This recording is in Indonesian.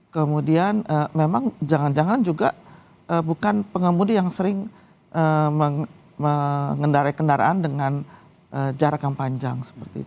kemudian memang jangan jangan juga bukan pengemudi yang sering mengendarai kendaraan dengan jarak yang panjang